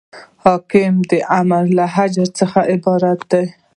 حکم د امر له اجرا څخه عبارت دی.